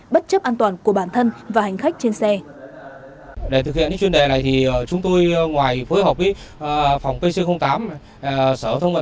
bất chấp an toàn của bản thân và hành khách trên xe